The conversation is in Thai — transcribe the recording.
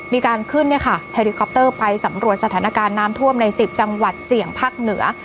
มีการขึ้นเฮลิคอปเตอร์ไปสำรวจสถานการณ์น้ำท่วมใน๑๐จังหวัดเสี่ยงภาคเหนือ